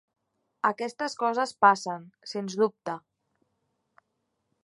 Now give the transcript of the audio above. Aquestes coses passen, sens dubte.